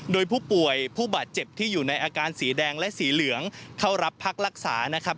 โดยผู้ป่วยผู้บาดเจ็บที่อยู่ในอาการสีแดงและสีเหลืองเข้ารับพักรักษานะครับ